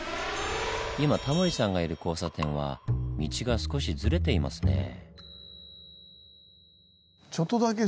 今タモリさんがいる交差点は道が少しズレていますねぇ。